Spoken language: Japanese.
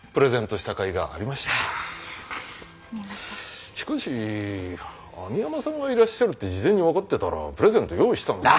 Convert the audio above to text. しかし網浜さんがいらっしゃるって事前に分かってたらプレゼント用意したのに。